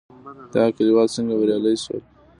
دغه کليوال څنګه بريالي شول؟